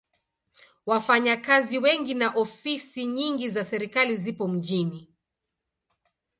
Wafanyakazi wengi na ofisi nyingi za serikali zipo mjini.